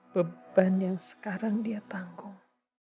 beban yang sekarang dia tanggung